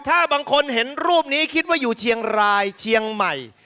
ถ้าบางคนเห็นรูปนี้คิดว่าอยู่เชียงรายเชียงใหม่